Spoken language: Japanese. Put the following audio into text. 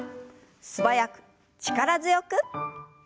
素早く力強く。